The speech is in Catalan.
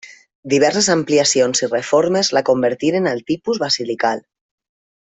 Diverses ampliacions i reformes la convertiren al tipus basilical.